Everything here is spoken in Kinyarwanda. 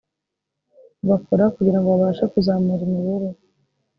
bakora kugira ngo babashe kuzamura imibereho